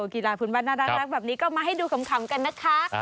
กีฬาพื้นบ้านน่ารักแบบนี้ก็มาให้ดูขำกันนะคะ